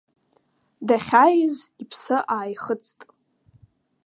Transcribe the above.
Дахьааиз иԥсы ааихыҵт.